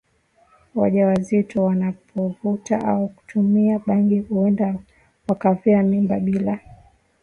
wajawazito wanapovuta au kutumia bangi huenda wakaavya mimba bila